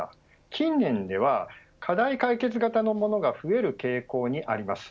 近年では課題解決型のものが増える傾向にあります。